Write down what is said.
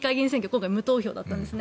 今回、無投票だったんです。